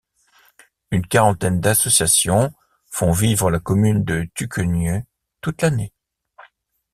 Une quarantaine d'associations font vivre la commune de Tucquegnieux toute l'année.